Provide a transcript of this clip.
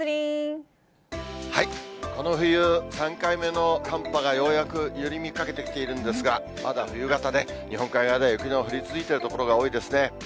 この冬、３回目の寒波がようやく緩みかけてきているんですが、まだ冬型で、日本海側では雪の降り続いている所が多いですね。